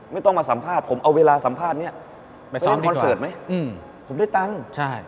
ไม่ต้องมาสัมภาษณ์ผมเอาเวลาสัมภาษณ์นี้ไปซ้อมคอนเสิร์ตไหมผมได้ตังค์ใช่